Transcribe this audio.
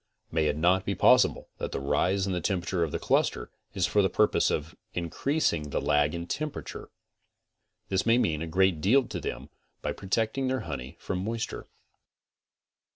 May it not be possible that the rise in temperature of the cluster is for the purpose of increasing the lag in temperature? This may mean a great deal to them by pro tecting their honey from moisture.